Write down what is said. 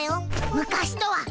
昔とは！